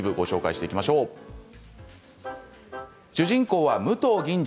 主人公は武藤銀次。